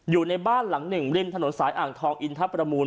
อยู่ในบ้านหลังหนึ่งริมถนนสายอ่างทองอินทรประมูล